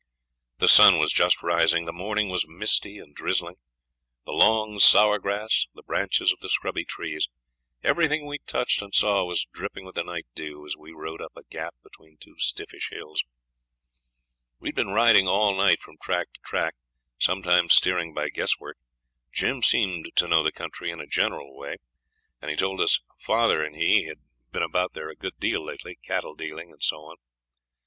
The sun was just rising, the morning was misty and drizzling; the long sour grass, the branches of the scrubby trees, everything we touched and saw was dripping with the night dew, as we rode up a 'gap' between two stiffish hills. We had been riding all night from track to track, sometimes steering by guesswork. Jim seemed to know the country in a general way, and he told us father and he had been about there a good deal lately, cattle dealing and so on.